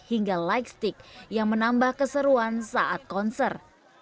hingga lightstick yang menambah keseruan saat konser